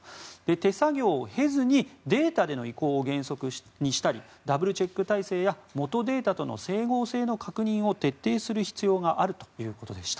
手作業を経ずにデータでの移行を原則にしたりダブルチェック体制や元データとの整合性の確認を徹底する必要があるということでした。